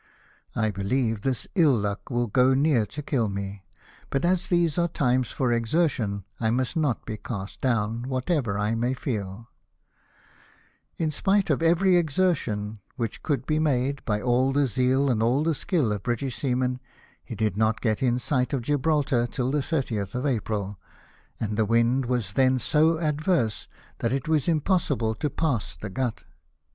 I believe this ill luck will go near to kill me ; but as these are times for exertion I must not be cast down, whatever I may feel" In spite of every exertion which could be made by all the zeal and all the skill of British seamen, he did not get in sight of Gibraltar till the 30th of April, and the wind was then so adverse that it was impossible to pass the Gut.